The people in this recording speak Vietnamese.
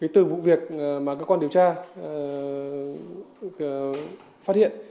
từ vụ việc mà cơ quan điều tra phát hiện